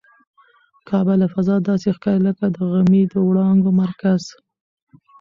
کعبه له فضا داسې ښکاري لکه د غمي د وړانګو مرکز.